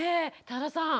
多田さん